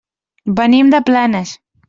Venim de Planes.